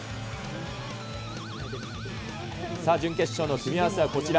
さあ、準決勝の組み合わせはこちら。